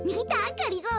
がりぞー。